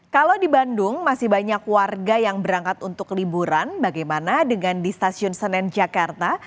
kalau di bandung masih banyak warga yang berangkat untuk liburan bagaimana dengan di stasiun senen jakarta